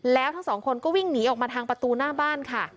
แล้วทั้งสองคนก็วิ่งหนีออกมาทางประตูหน้าบ้านค่ะ